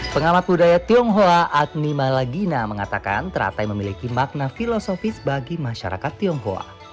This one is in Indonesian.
pengamat budaya tionghoa agni malagina mengatakan teratai memiliki makna filosofis bagi masyarakat tionghoa